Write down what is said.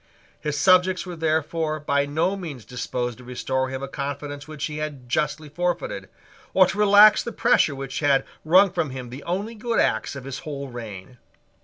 His subjects were therefore by no means disposed to restore to him a confidence which he had justly forfeited, or to relax the pressure which had wrung from him the only good acts of his whole reign.